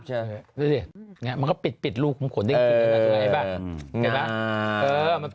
จะดูดิเหียกมันก็ปิดรูขุมขนได้ไหม